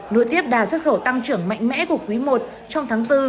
nội tiếp đà xuất khẩu tăng trưởng mạnh mẽ của quý i trong tháng bốn